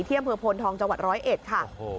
เที่ยงเผือพลทองจังหวัด๑๐๑ค่ะ